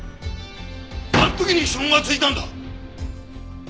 あの時に指紋がついたんだ！